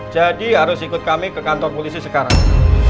jadi harus ikut kami ke kantor polisi sekarang